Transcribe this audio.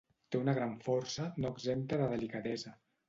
Té una gran força, no exempta de delicadesa.